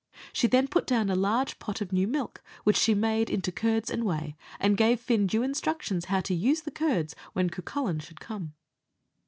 She then put down a large pot of new milk, which she made into curds and whey, and gave Fin due instructions how to use the curds when Cucullin should come.